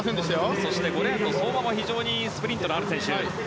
そして５レーンの相馬も非常にスプリントのある選手。